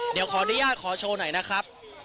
เดี๋ยวขออนุญาตขอโชว์หน่อยนะครับ